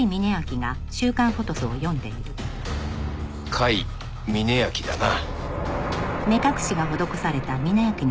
甲斐峯秋だな。